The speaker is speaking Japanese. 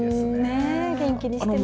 元気にしてます。